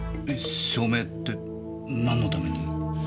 証明って何のために？